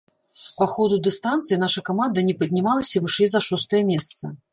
Па ходу дыстанцыі наша каманда не паднімалася вышэй за шостае месца.